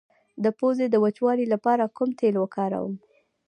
د پوزې د وچوالي لپاره کوم تېل وکاروم؟